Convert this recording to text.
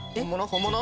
本物？